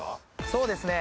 そうですね。